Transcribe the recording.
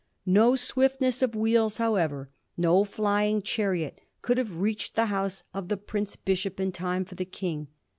No swiftness of wheels, however, no flying chariot, could have reached the house of the Prince Bishop in time for the King.